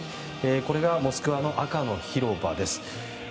これがモスクワの赤の広場です。